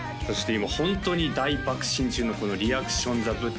今ホントに大ばく進中のこのリアクションザブッタ